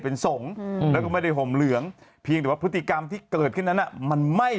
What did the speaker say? เป็นสงแล้วก็ไม่ได้ห่มเหลืองพิธีกรรมที่เกิดขึ้นนั้นมันไม่